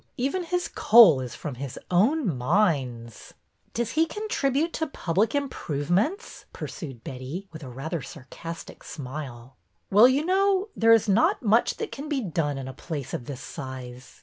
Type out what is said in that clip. Even his coal is from his own mines." '' Does he contribute to public improvements ?" pursued Betty, with a rather sarcastic smile. ''Well, you know, there is not much that can be done in a place of this size.